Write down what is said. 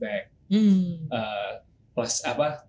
plas kain yang gak satu kali pakai